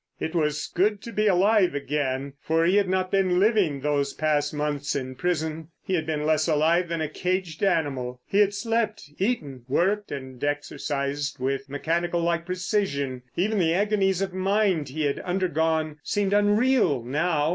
It was good to be alive again—for he had not been living those past months in prison. He had been less alive than a caged animal. He had slept, eaten, worked, and exercised with mechanical like precision. Even the agonies of mind he had undergone seemed unreal now.